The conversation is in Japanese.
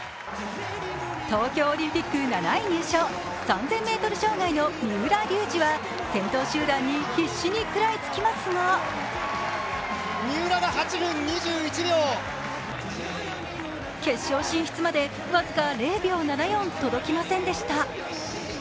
東京オリンピック７位入賞、３０００ｍ障害の三浦龍司は先頭集団に必死に食らいつきますが決勝進出まで僅か０秒７４届きませんでした。